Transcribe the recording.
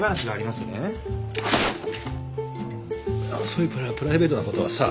そういうプラプライベートなことはさ。